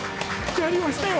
やりましたよ！